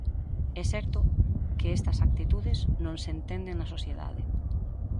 E é certo que estas actitudes non se entenden na sociedade.